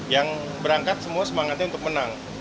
yang berangkat semua semangatnya untuk menang